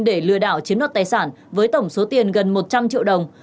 để lừa đảo chiếm đoạt tài sản với tổng số tiền gần một trăm linh triệu đồng